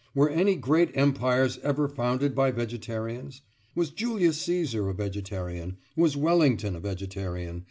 Were any great empires ever founded by vegetarians? Was Julius Cæsar a vegetarian? Was Wellington a vegetarian?